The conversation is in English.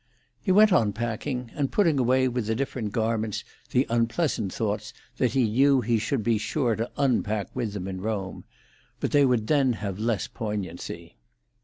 He went on packing, and putting away with the different garments the unpleasant thoughts that he knew he should be sure to unpack with them in Rome; but they would then have less poignancy.